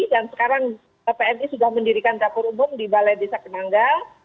dan sekarang pmi sudah mendirikan dapur umum di balai desa kemanggal